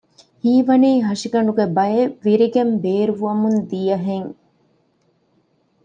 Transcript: ހީވަނީ ހަށިގަނޑުގެ ބައެއް ވިރިގެން ބޭރުވަމުން ދިޔަހެން